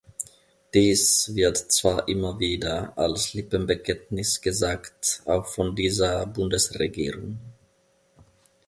Dies wird zwar immer wieder als Lippenbekenntnis gesagt auch von dieser Bundesregierung.